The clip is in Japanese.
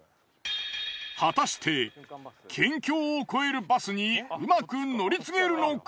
果たして県境を越えるバスにうまく乗り継げるのか？